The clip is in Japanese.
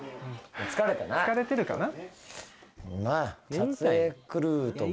疲れてるかな？